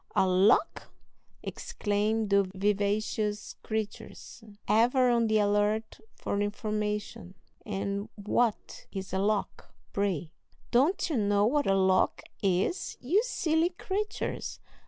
"A lock!" exclaim the vivacious creatures, ever on the alert for information; "and what is a lock, pray?" "Don't you know what a lock is, you silly creatures.